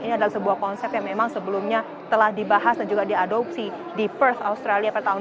ini adalah sebuah konsep yang memang sebelumnya telah dibahas dan juga diadopsi di first australia pada tahun dua ribu dua puluh